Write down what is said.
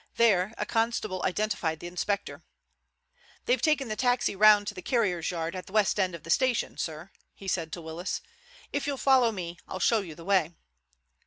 There a constable identified the inspector. "They've taken the taxi round to the carrier's yard at the west side of the station, sir," he said to Willis. "If you'll follow me, I'll show you the way."